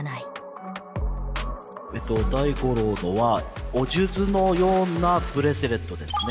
ダイゴロウのはお数珠のようなブレスレットですね。